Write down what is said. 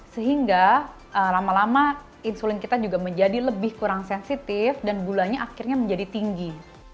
sehingga lama lama insulin kita juga menjadi lebih kurang sensitif dan gulanya akhirnya menjadi tinggi